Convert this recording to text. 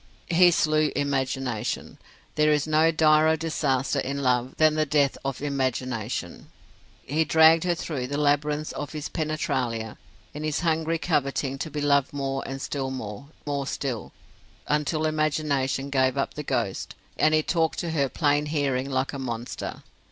He slew imagination. There is no direr disaster in love than the death of imagination. He dragged her through the labyrinths of his penetralia, in his hungry coveting to be loved more and still more, more still, until imagination gave up the ghost, and he talked to her plain hearing like a monster.